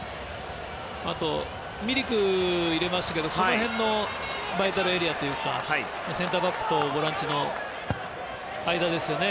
あと、ミリクを入れましたけどこの辺のバイタルエリアというかセンターバックとボランチの間ですよね。